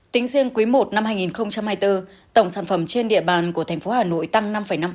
tính riêng quý i năm hai nghìn hai mươi bốn tổng sản phẩm trên địa bàn của thành phố hà nội tăng năm năm